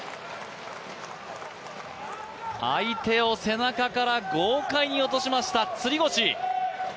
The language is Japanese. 相手を背中から豪快に落としました、釣り腰。